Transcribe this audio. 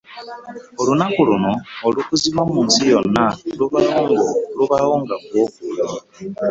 Olunaku luno olukuzibwa mu nsi yonna lubaawo nga Ogw'okubiri